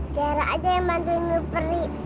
tiara aja yang bantuin ibu peri